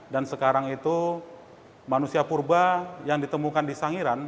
dan sekarang itu manusia purba yang ditemukan di sangiran